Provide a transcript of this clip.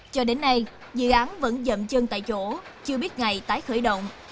cho đến nay dự án vẫn dậm chân tại chỗ chưa biết ngày tái khởi động